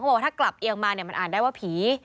เพราะถ้ากลับเอียงมามันอ่านได้ว่าผี